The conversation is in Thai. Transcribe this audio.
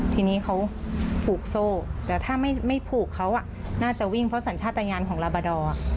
ทีนี้เขาผูกโซ่แต่ถ้าไม่ผูกเขาน่าจะวิ่งเพราะสัญชาติยานของลาบาดอร์